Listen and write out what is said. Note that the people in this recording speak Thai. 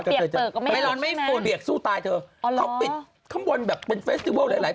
เบียกเติบก็ไม่ร้อนใช่ไหมนะเบียกสู้ตายเธอเขาปิดข้างบนแบบเป็นเฟสติเวิลหลาย